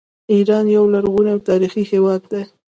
ایران یو لرغونی او تاریخي هیواد دی.